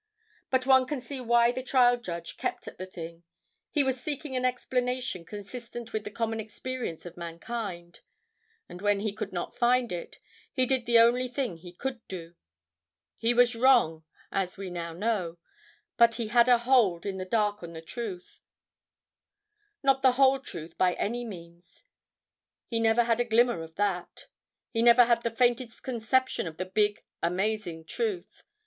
But one can see why the trial judge kept at the thing; he was seeking an explanation consistent with the common experience of mankind. And when he could not find it, he did the only thing he could do. He was wrong, as we now know. But he had a hold in the dark on the truth—not the whole truth by any means; he never had a glimmer of that. He never had the faintest conception of the big, amazing truth.